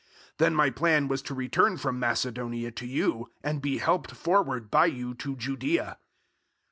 Then my plan was to return from Macedonia to you, and be helped forward by you to Judaea.